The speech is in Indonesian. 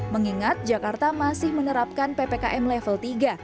mengingat jakarta masih menerapkan ppkm level tiga